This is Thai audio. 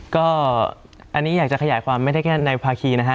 ก็อันนี้อยากจะขยายความไม่ได้แค่ในภาคีนะฮะ